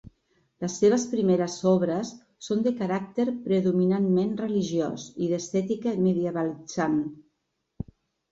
Les seves primeres obres són de caràcter predominantment religiós i d'estètica medievalitzant.